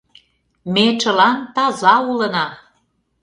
Ме чылан таза улына!